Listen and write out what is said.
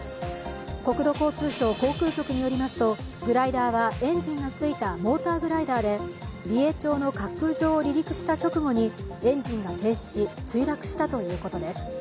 国土交通省航空局によりますと、グライダーはエンジンがついたモーターグライダーで、美瑛町の滑空場を離陸した直後にエンジンが停止し、墜落したということです。